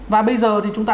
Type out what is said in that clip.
và bây giờ thì chúng ta